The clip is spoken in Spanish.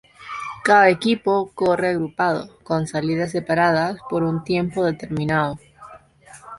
Cada equipo corre agrupado, con salidas separadas por un tiempo determinado.